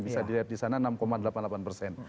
bisa dilihat di sana enam delapan puluh delapan persen